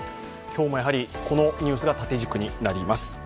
今日もやはりこのニュースが縦軸になります。